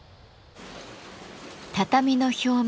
畳の表面